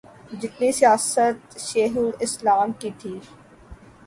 جتنی سیاست شیخ الاسلام کی تھی۔